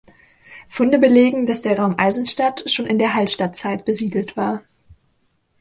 Funde belegen, dass der Raum Eisenstadt schon in der Hallstattzeit besiedelt war.